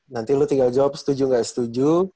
nanti lu tinggal jawab setuju nggak setuju